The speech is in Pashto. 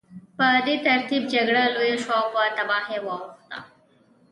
په دې ترتیب جګړه لویه شوه او په تباهۍ واوښته